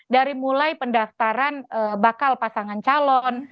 dari mulai pendaftaran bakal pasangan calon